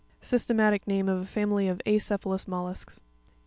Systematic name of a family of acephalous mollusks (page 81).